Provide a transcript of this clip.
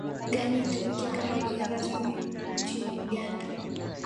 gani itumike kama lugha rasmi nchini Uganda